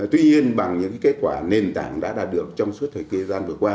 tuy nhiên bằng những kết quả nền tảng đã đạt được trong suốt thời kỳ gian